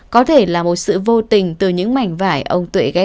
có thể là một sự vô tình từ những mảnh vải ông tuệ ghé